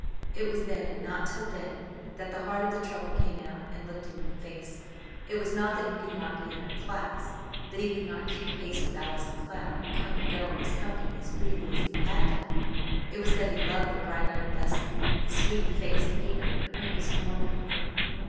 It was then, and not till then, that the heart of the trouble came out and looked him in the face. It was not that he could not be in their class, that he could not keep pace with Allison Cloud and come and go in his company as freely as he had done; it was that he loved the bright haired Leslie, the sweet faced, eager, earnest, wonderful girl.